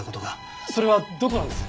それはどこなんです？